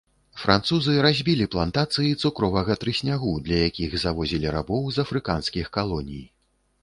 Французы разбілі плантацыі цукровага трыснягу, для якіх завозілі рабоў з афрыканскіх калоній.